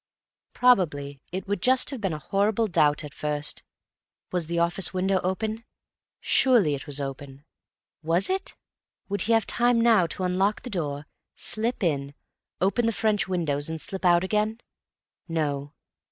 Probably it would just have been a horrible doubt at first. Was the office window open? Surely it was open! Was it?.... Would he have time now to unlock the door, slip in, open the French windows and slip out again? No.